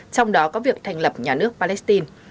trong đó có việc thành lập nhà nước palestine